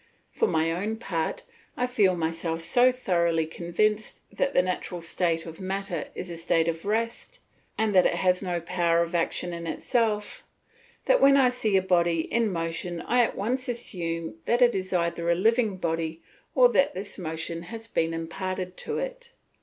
For my own part, I feel myself so thoroughly convinced that the natural state of matter is a state of rest, and that it has no power of action in itself, that when I see a body in motion I at once assume that it is either a living body or that this motion has been imparted to it.